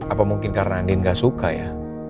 apa mungkin karena andin gak suka ya